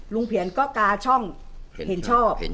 เพียนก็กาช่องเห็นชอบ